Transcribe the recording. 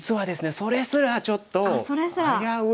それすらちょっと危うい。